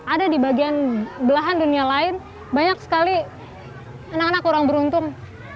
ada di bagian belahan dunia lain banyak sekali anak anak kurang beruntung